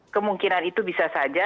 kemungkinan itu bisa saja